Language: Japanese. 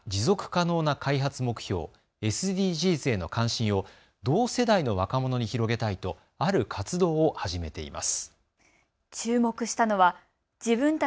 次ですが茨城県の高校生が持続可能な開発目標・ＳＤＧｓへの関心を同世代の若者に広げたいとある活動を始めています。